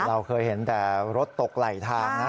เราเคยเห็นแต่รถตกไหลทางนะ